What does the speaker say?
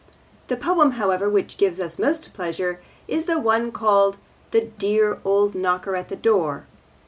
The poem, however, which gives us most pleasure is the one called The Dear Old Knocker on the Door.